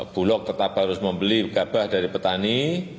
bulog tetap harus membeli gabah dari petani